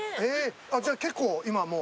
・じゃあ結構今もう。